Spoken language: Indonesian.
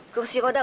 kursi roda udah